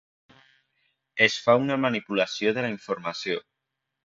Es fa una manipulació de la informació.